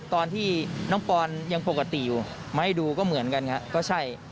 ตอนที่น้องปอนยังปกติอยู่มาให้ดูก็เหมือนกันครับก็ใช่